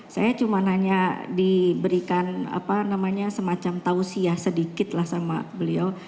saya cuma hanya diberikan semacam tausiah sedikitlah sama beliau